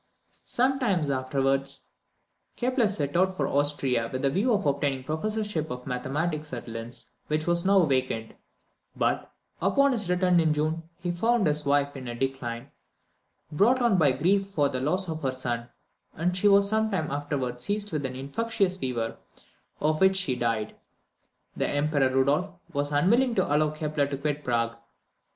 Sometime afterwards Kepler set out for Austria with the view of obtaining the professorship of mathematics at Linz, which was now vacant; but, upon his return in June, he found his wife in a decline, brought on by grief for the loss of her son, and she was sometime afterwards seized with an infectious fever, of which she died. The Emperor Rudolph was unwilling to allow Kepler to quit Prague.